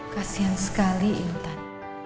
kasian sekali intan